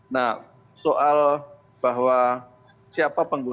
nah soal bahwa siapa pengguna